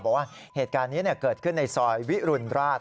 บอกว่าเหตุการณ์นี้เกิดขึ้นในซอยวิรุณราช